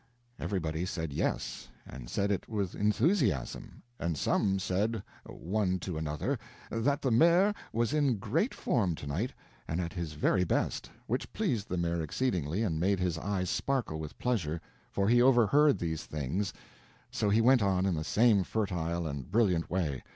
Everybody said yes, and said it with enthusiasm, and some said, one to another, that the maire was in great form to night and at his very best—which pleased the maire exceedingly and made his eyes sparkle with pleasure, for he overheard these things; so he went on in the same fertile and brilliant way.